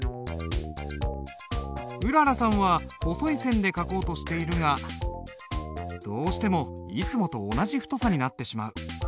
うららさんは細い線で書こうとしているがどうしてもいつもと同じ太さになってしまう。